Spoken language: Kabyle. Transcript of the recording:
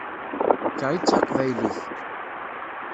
D ta i d taqbaylit!